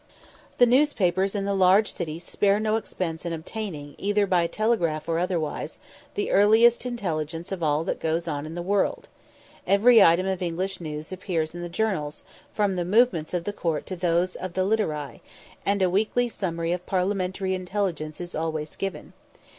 The newspapers in the large cities spare no expense in obtaining, either by telegraph or otherwise, the earliest intelligence of all that goes on in the world. Every item of English news appears in the journals, from the movements of the court to those of the literati; and a weekly summary of parliamentary intelligence is always given.